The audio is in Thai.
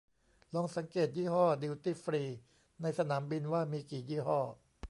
ลองสังเกตยี่ห้อดิวตี้ฟรีในสนามบินว่ามีกี่ยี่ห้อ